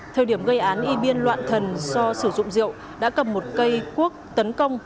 thời điểm gây án ibn loạn thần do sử dụng rượu đã cầm một cây cuốc tấn công